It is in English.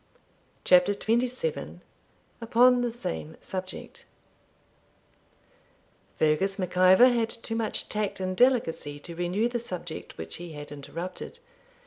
CHAPTER XXVII UPON THE SAME SUBJECT Fergus Mac Ivor had too much tact and delicacy to renew the subject which he had interrupted.